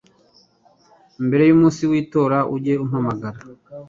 mbere y umunsi w itora ujye umpamagara